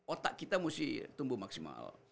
otak kita mesti tumbuh maksimal